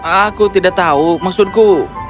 aku tidak tahu maksudku